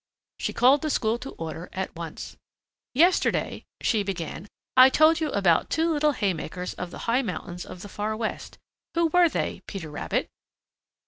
She called the school to order at once. "Yesterday," she began, "I told you about two little haymakers of the high mountains of the Far West. Who were they, Peter Rabbit?"